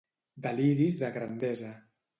Deliris de grandesa.